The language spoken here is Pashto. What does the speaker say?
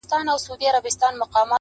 مور له خلکو شرم احساسوي او ځان پټوي،